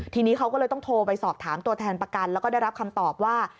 ทีนี้เขาก็เลยต้องโทรไปสอบถามตัวแทนประกันแล้วก็ได้รับคำตอบว่า